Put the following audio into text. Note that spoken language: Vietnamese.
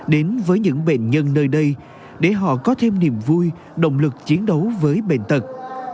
đến với những bệnh nhân nơi đây để họ có thêm niềm vui động lực chiến đấu với bệnh tật